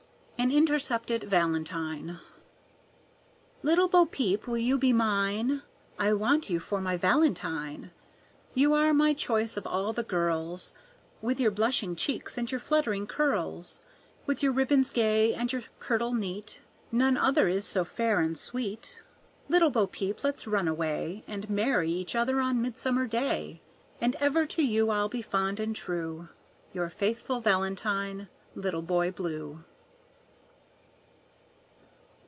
An Intercepted Valentine Little Bo Peep, will you be mine? I want you for my Valentine. You are my choice of all the girls, With your blushing cheeks and your fluttering curls, With your ribbons gay and your kirtle neat, None other is so fair and sweet. Little Bo Peep, let's run away, And marry each other on Midsummer Day; And ever to you I'll be fond and true, Your faithful Valentine, LITTLE BOY BLUE.